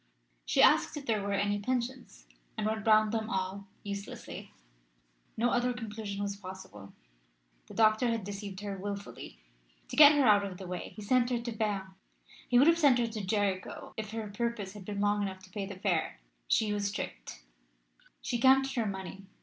She asked if there were any pensions, and went round them all uselessly. No other conclusion was possible. The doctor had deceived her wilfully. To get her out of the way he sent her to Berne. He would have sent her to Jericho if her purse had been long enough to pay the fare. She was tricked. She counted her money.